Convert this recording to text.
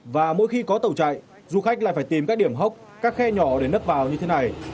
và mỗi khi có tàu chạy du khách lại phải tìm các điểm hốc các khe nhỏ để nấp vào như thế này